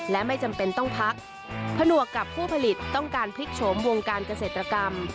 และไม่จำเป็นต้องพักผนวกกับผู้ผลิตต้องการพลิกโฉมวงการเกษตรกรรม